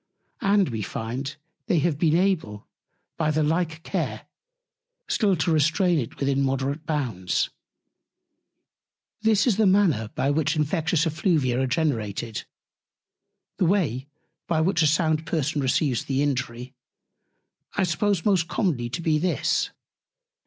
And we find, they have been able, by the like Care, still to restrain it within moderate Bounds. This is the Manner by which Infectious Effluvia are generated; The Way, by which a sound Person receives the Injury, I suppose most commonly to be this.